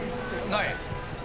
「ない。